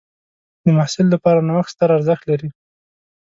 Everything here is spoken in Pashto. د محصل لپاره نوښت ستر ارزښت لري.